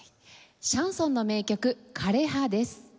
シャンソンの名曲『枯葉』です。